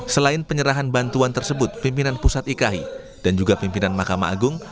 selain penyerahan bantuan tersebut pimpinan pusat iki dan juga pimpinan mahkamah agung